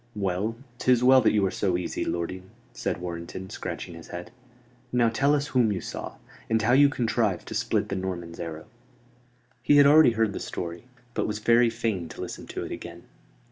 "Well, 'tis well that you are so easy, lording," said Warrenton, scratching his head. "Now tell us whom you saw; and how you contrived to split the Norman's arrow." He had already heard the story: but was very fain to listen to it again.